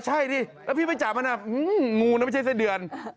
ใช่ดิที่ไปจับมันอ่ะงูนะไม่ใช่เศรษฐเดือน